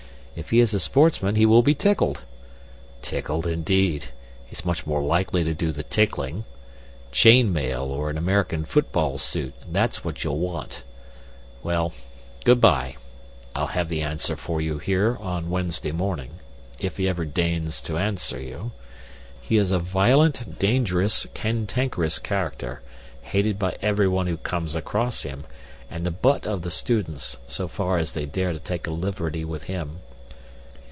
If he is a sportsman he will be tickled." "Tickled, indeed! He's much more likely to do the tickling. Chain mail, or an American football suit that's what you'll want. Well, good bye. I'll have the answer for you here on Wednesday morning if he ever deigns to answer you. He is a violent, dangerous, cantankerous character, hated by everyone who comes across him, and the butt of the students, so far as they dare take a liberty with him.